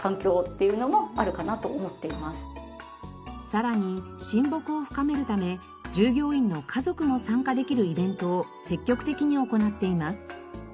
さらに親睦を深めるため従業員の家族も参加できるイベントを積極的に行っています。